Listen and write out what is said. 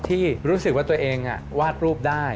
ที่รู้สึกว่าตัวเองวาดรูปได้